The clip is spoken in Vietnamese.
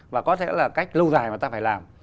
và có thể là cách lâu dài mà ta phải làm